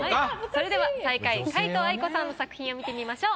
それでは最下位皆藤愛子さんの作品を見てみましょう。